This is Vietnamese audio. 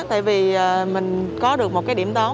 tại vì mình có được một điểm tón